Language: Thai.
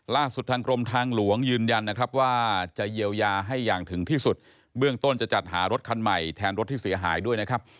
ล่าสุดทางกรมทางหลวงยืนยันนะครับว่าจะเยียวยาให้อย่างถึงที่สุดเบื้องต้นจะจัดหารถคันใหม่แทนรถที่เสียหายด้วยนะครับ